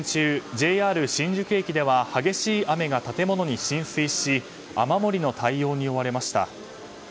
ＪＲ新宿駅では激しい雨が建物に浸水し雨漏りの対応に追われました。